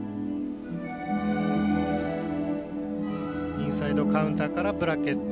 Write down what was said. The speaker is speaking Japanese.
インサイドカウンターからブラケット。